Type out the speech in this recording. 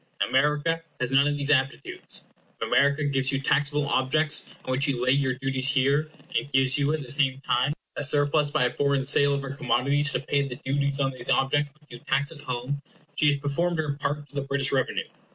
America has none of these aptitudes. If America gives you taxable objects on which you lay your duties here, and gives you, at the same time, a surplus by a foreign sale of her commodities to pay the duties on these objects which you tax at home, she has performed her part to the British revenue.